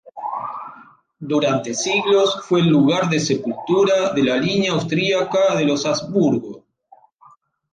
Durante siglos fue el lugar de sepultura de la línea austríaca de los Habsburgo.